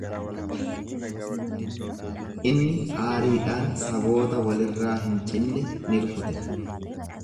Inni aariidhaan saboota walirraa hin cinne ni rukute.